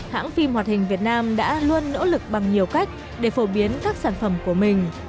hãng phim hoạt hình việt nam đã luôn nỗ lực bằng nhiều cách để phổ biến các sản phẩm của mình